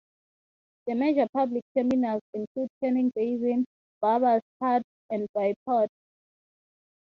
The major public terminals include Turning Basin, Barbours Cut, and Bayport.